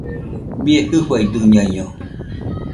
¡Bie jɨfaidɨñaino!